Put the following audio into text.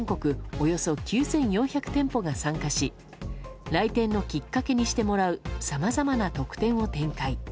およそ９４００店舗が参加し来店のきっかけにしてもらうさまざまな特典を展開。